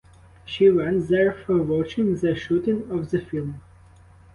She went their for watching the shooting of the film.